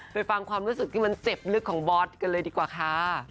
ไปฟังความรู้สึกที่มันเจ็บลึกของบอสกันเลยดีกว่าค่ะ